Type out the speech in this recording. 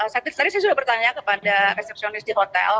tadi saya sudah bertanya kepada resepsionis di hotel